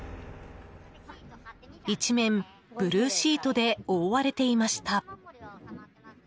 一面ブルーシートで覆われていました。